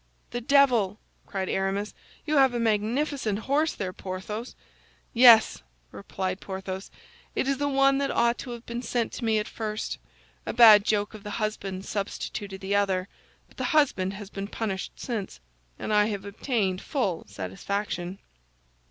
"The devil!" cried Aramis, "you have a magnificent horse there, Porthos." "Yes," replied Porthos, "it is the one that ought to have been sent to me at first. A bad joke of the husband's substituted the other; but the husband has been punished since, and I have obtained full satisfaction."